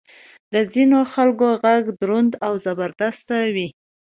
د ځینې خلکو ږغ دروند او زبردست وي.